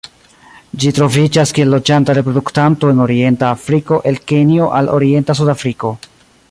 Ĝi troviĝas kiel loĝanta reproduktanto en orienta Afriko el Kenjo al orienta Sudafriko.